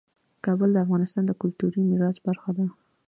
کابل د افغانستان د کلتوري میراث برخه ده.